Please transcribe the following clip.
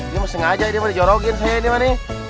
dia mau sengaja di jorogin saya ini